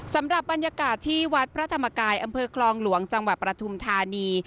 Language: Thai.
สำหรับบรรยากาศที่วัดพระธรรมกายอำเภอคลองหลวงจังหวัดปฐุมธานี